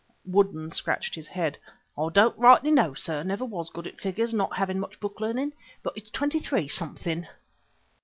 Woodden scratched his head. "I don't rightly know, sir, never was good at figures, not having much book learning, but it's twenty three something."